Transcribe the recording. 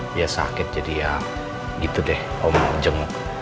dia sakit jadi ya gitu deh om jemuk